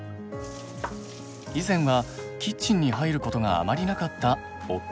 以前はキッチンに入ることがあまりなかった夫と長男。